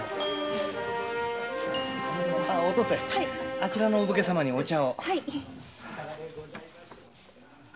あちらのお武家様にお茶を。